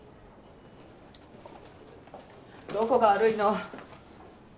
どこが悪いの？